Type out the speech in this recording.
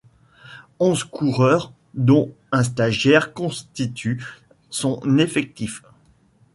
Onze coureurs dont un stagiaire constituent son effectif.